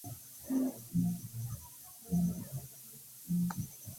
Ili priparolis renkontiĝon je la kvina horo posttagmeze en la kafejo de la hotelo.